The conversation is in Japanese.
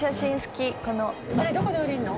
あれどこで降りるの？